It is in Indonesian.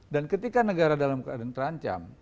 dan ketika negara dalam keadaan terancam